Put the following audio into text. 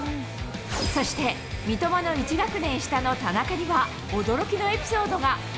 そして、三笘の１学年下の田中には、驚きのエピソードが。